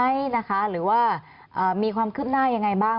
จะโยกคดีไหมนะคะหรือว่ามีความขึ้นหน้ายังไงบ้าง